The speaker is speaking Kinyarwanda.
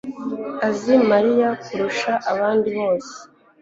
azi Mariya kurusha abandi bose.